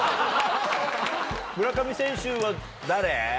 村上選手は誰？